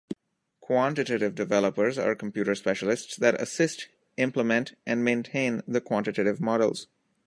Quantitative developers are computer specialists that assist, implement and maintain the quantitative models.